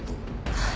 はい。